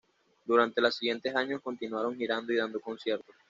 Durante los siguientes años continuaron girando y dando conciertos.